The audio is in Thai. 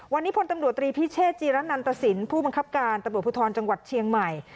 วันนี้พลตำรวจตรีพิเชษจีรนันตสินผู้บังคับการตำรวจภูทรจังหวัดเชียงใหม่